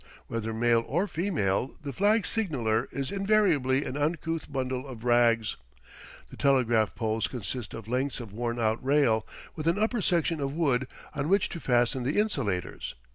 Whether male or female, the flag signaller is invariably an uncouth bundle of rags. The telegraph poles consist of lengths of worn out rail, with an upper section of wood on which to fasten the insulators.